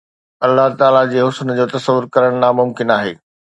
الله تعاليٰ جي حسن جو تصور ڪرڻ ناممڪن آهي